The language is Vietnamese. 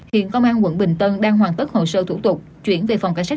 hiện công an quận bình tân đang hoàn tất hồ sơ thủ tục chuyển về phòng cảnh sát